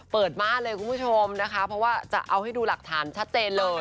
เปิดบ้านเลยคุณผู้ชมนะคะเพราะว่าจะเอาให้ดูหลักฐานชัดเจนเลย